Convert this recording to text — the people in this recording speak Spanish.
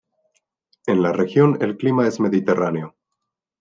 En la región el clima es mediterráneo.